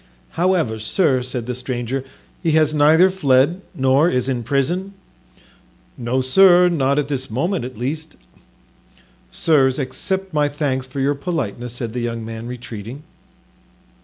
"However, sir," said the stranger, "he has neither fled nor is in prison?" "No, sir, not at this moment at least." "Sirs, accept my thanks for your politeness," said the young man, retreating.